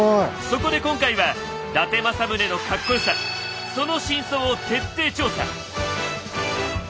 そこで今回は伊達政宗のカッコよさその真相を徹底調査！